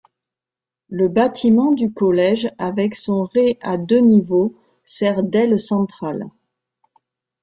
Le bâtiment du collège avec son rez à deux niveaux sert d'aile centrale.